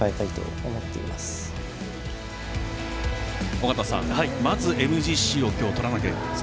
尾方さん、まず、ＭＧＣを今日、取らなければ。